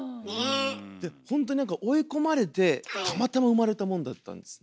でほんとに何か追い込まれてたまたま生まれたもんだったんですね。